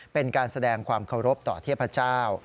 เป็นการแสดงความเคารพต่อเทพเจ้า